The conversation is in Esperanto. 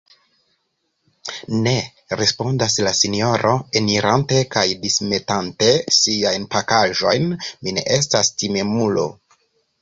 Ne, respondas la sinjoro, enirante kaj dismetante siajn pakaĵojn, mi ne estas timemulo!